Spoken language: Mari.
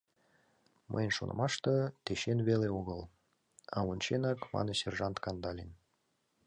— Мыйын шонымаште, тӧчен веле огыл, а вонченак, — мане сержант Кандалин.